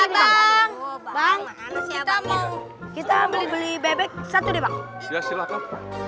kita mau kita beli bebek satu dia silakan